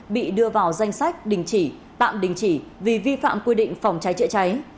bị đưa vào danh sách đình chỉ tạm đình chỉ vì vi phạm quy định phòng cháy chữa cháy